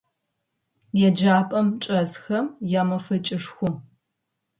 Еджапӏэм чӏэсхэм ямэфэкӏышху.